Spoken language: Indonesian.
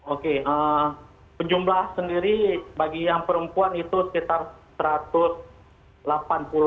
oke penjumlah sendiri bagi yang perempuan itu sekitar satu ratus delapan puluh satu dan yang laki laki sekitar satu ratus satu dan yang anak anak delapan belas orang